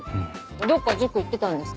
どっか塾行ってたんですか？